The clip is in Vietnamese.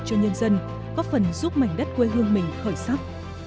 cho nhân dân có phần giúp mảnh đất quê hương mình khởi sắc